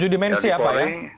tujuh dimensi apa ya